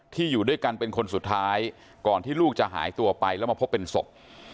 อยู่ด้วยกันเป็นคนสุดท้ายก่อนที่ลูกจะหายตัวไปแล้วมาพบเป็นศพ